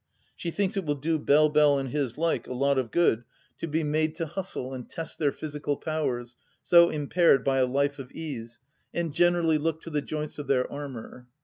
She thinks it will do Belle Belle and his like a lot of good to be made to 9 130 THE LAST DITCH hustle, and test their physical powers, so impaired by a life of ease, and generally look to the joints of their armour.